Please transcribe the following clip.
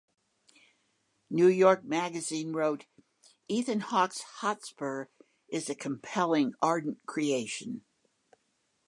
"New York" magazine wrote: "Ethan Hawke's Hotspur ... is a compelling, ardent creation.